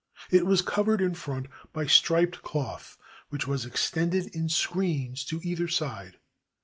It was covered in front by striped cloth, which was extended in screens to either side.